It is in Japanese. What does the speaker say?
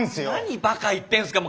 何バカ言ってんすか。